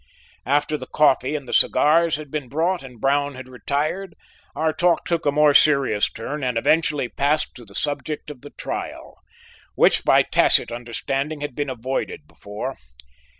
After the coffee and the cigars had been brought and Brown had retired, our talk took a more serious turn and eventually passed to the subject of the trial, which by tacit understanding had been avoided before.